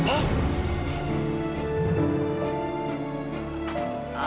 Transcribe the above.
baik baik saya segera ke sana